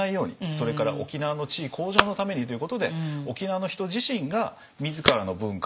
それから沖縄の地位向上のためにということで沖縄の人自身が自らの文化をどんどんどんどん捨てていったという。